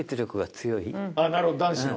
なるほど男子の。